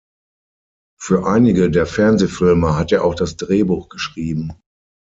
Für einige der Fernsehfilme hat er auch das Drehbuch geschrieben.